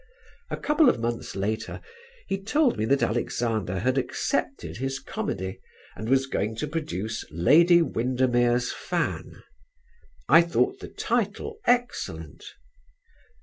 A couple of months later he told me that Alexander had accepted his comedy, and was going to produce "Lady Windermere's Fan." I thought the title excellent.